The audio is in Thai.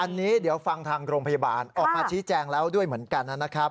อันนี้เดี๋ยวฟังทางโรงพยาบาลออกมาชี้แจงแล้วด้วยเหมือนกันนะครับ